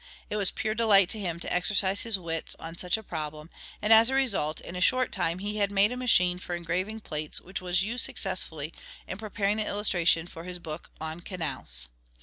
It was pure delight to him to exercise his wits on such a problem, and as a result in a short time he had made a machine for engraving plates which was used successfully in preparing the illustrations for his book on "Canals."